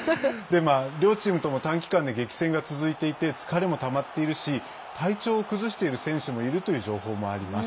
両チームとも短期間で激戦が続いていて疲れもたまっているし体調を崩している選手もいるという情報もあります。